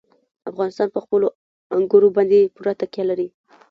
افغانستان په خپلو انګورو باندې پوره تکیه لري.